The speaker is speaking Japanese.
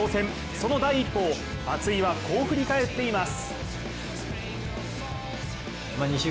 その第一歩を松井はこう振り返っています。